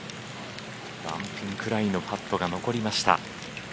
ワンピンぐらいのパットが残りました。